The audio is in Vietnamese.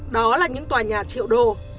đó là những tòa nhà triệu đô